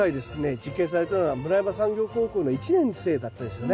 実験されたのは村山産業高校の１年生だったんですよね。